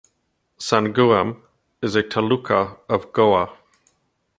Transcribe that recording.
Sanguem is a taluka of Goa.